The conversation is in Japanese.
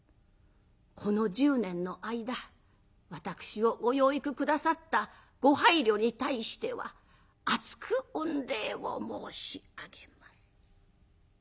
この１０年の間私をご養育下さったご配慮に対しては厚く御礼を申し上げます」。